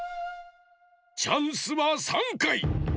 チャンスは３かい。